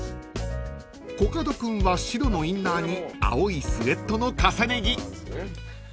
［コカド君は白のインナーに青いスエットの重ね着］